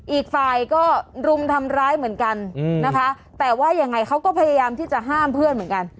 อีกฝ่ายก็รุมทำร้ายเหมือนกันนะคะแต่ว่ายังไงเขาก็พยายามที่จะห้ามเพื่อนเหมือนกัน